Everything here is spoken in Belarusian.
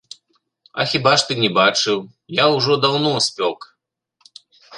А хіба ж ты не бачыў, я ўжо даўно спёк.